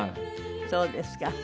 そうですか。